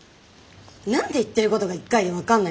何で言ってることが１回で分かんないの？